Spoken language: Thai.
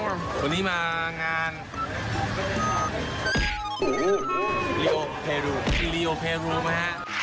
วันนี้มางานริโอเพลูมีริโอเพลูไหมฮะ